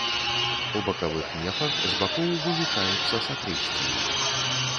У бакавых нефах з бакоў вылучаюцца сакрысціі.